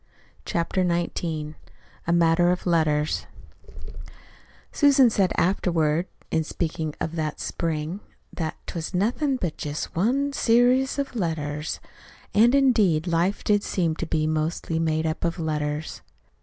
CHAPTER XIX A MATTER OF LETTERS Susan said afterward, in speaking of that spring, that "'twas nothin' but jest one serious of letters." And, indeed, life did seem to be mostly made up of letters.